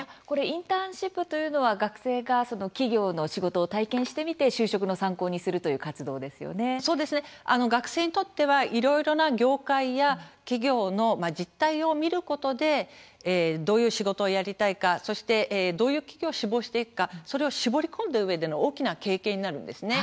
インターンシップというのは、学生が企業の仕事を体験してみて就職の参考にするという学生にとってはいろいろな業界や企業の実態を見ることでどういう仕事をやりたいかそして、どういう企業を志望していくかそれを絞り込んだうえでの大きな経験になるんですね。